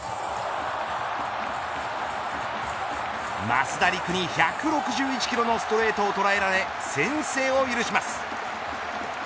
増田陸に１６１キロのストレートを捉えられ先制を許します。